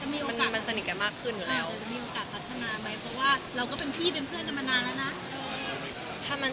มันสนิกกันมากขึ้นอยู่แล้ว